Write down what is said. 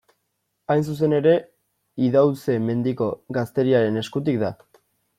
Hain zuzen ere, Idauze-Mendiko gazteriaren eskutik da.